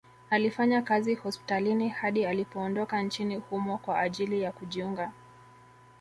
Alifanya kazi hospitalini hadi alipoondoka nchini humo kwa ajili ya kujiunga